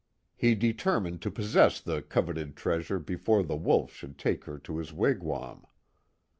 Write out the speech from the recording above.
He determined to possess the coveted treasure before the Wolf should take her to bis wigwam.